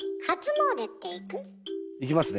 行きますね。